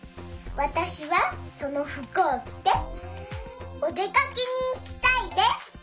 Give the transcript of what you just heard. わたしはそのふくをきておでかけにいきたいです。